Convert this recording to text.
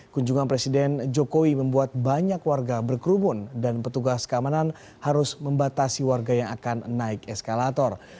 kunjungan presiden jokowi membuat banyak warga berkerumun dan petugas keamanan harus membatasi warga yang akan naik eskalator